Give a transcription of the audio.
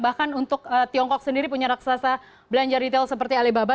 bahkan untuk tiongkok sendiri punya raksasa belanja retail seperti alibaba